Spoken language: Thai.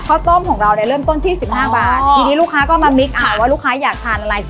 ข้าวต้มของเราเนี่ยเริ่มต้นที่๑๕บาททีนี้ลูกค้าก็มามิกค่ะว่าลูกค้าอยากทานอะไร